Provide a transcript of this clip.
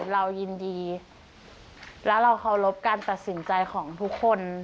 เรายินดีและเราเคารพการตัดสินใจของทุกคน